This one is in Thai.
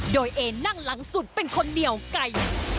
โดยเอนั่งหลังสุดเป็นคนเหนียวไก่